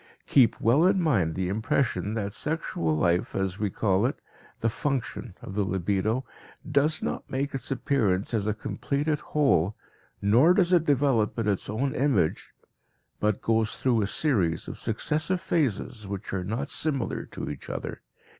Keep well in mind the impression that sexual life, as we call it, the function, of the libido, does not make its appearance as a completed whole, nor does it develop in its own image, but goes through a series of successive phases which are not similar to each other.